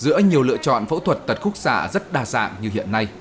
giữa nhiều lựa chọn phẫu thuật tật khúc xạ rất đa dạng như hiện nay